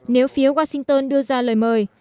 nếu phía washington đưa ra lời mời